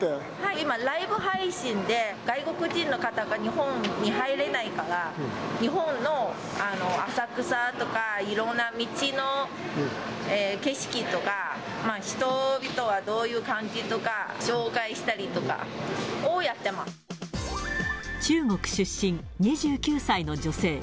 今、ライブ配信で、外国人の方が日本に入れないから、日本の浅草とかいろんな道の景色とか、人々がどういう感じとか、中国出身、２９歳の女性。